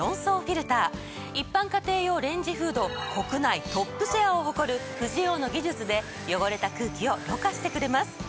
一般家庭用レンジフード国内トップシェアを誇るフジオーの技術で汚れた空気をろ過してくれます。